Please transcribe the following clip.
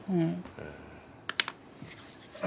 うん。